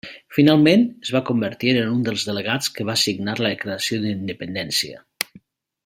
Finalment es va convertir en un dels delegats que va signar la Declaració d'independència.